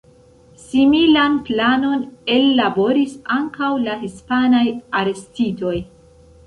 Similan planon ellaboris ankaŭ la hispanaj arestitoj.